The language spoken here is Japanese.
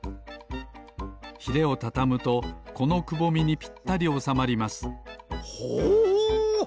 ヒレをたたむとこのくぼみにぴったりおさまりますほう！